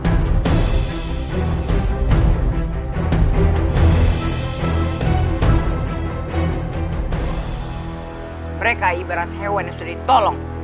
mereka ibarat hewan yang sudah ditolong